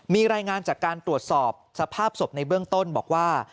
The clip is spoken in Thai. มีรายงานจากการตรวจสอบสภาพศพในเบื้องต้นบอกว่า